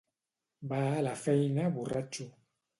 Va a la feina borratxo